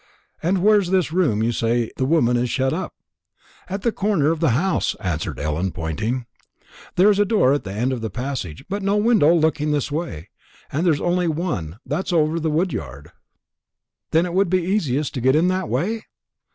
"And where's this room where you say the woman is shut up?" "At that corner of the house," answered Ellen, pointing. "There's a door at the end of the passage, but no window looking this way. There's only one, and that's over the wood yard." "Then it would be easiest to get in that way?"